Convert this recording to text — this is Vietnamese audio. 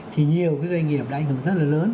thì nhiều cái doanh nghiệp đã ảnh hưởng rất là lớn